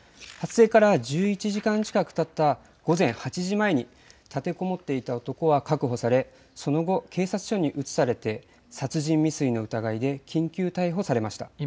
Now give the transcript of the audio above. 発生から１１時間近くがたった午前８時前に立てこもっていた男は確保され、その後、警察署に移されて殺人未遂の疑いで緊急逮捕されました。